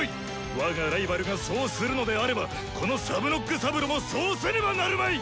我がライバルがそうするのであればこのサブノック・サブロもそうせねばなるまい！